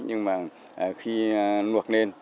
nhưng mà khi nuộc lên